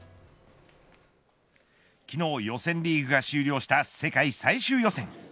昨日、予選リーグが終了した世界最終予選。